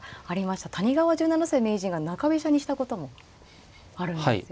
谷川十七世名人が中飛車にしたこともあるんですよね。